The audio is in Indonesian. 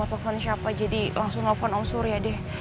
om mau telfon siapa jadi langsung telfon om sur ya deh